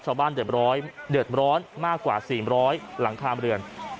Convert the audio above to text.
ชาวบ้านเดือดร้อนมากกว่า๔๐๐หลังคาเรือน